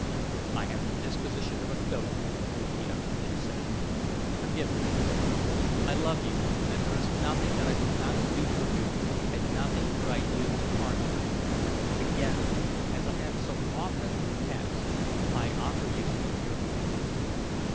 "I have the disposition of a thoat, Uthia," she said. "Forgive me! I love you and there is nothing that I would not do for you and nothing would I do to harm you. Again, as I have so often in the past, I offer you your freedom."